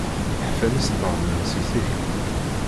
Ḥfan yisebbaḍen-iw si tikli.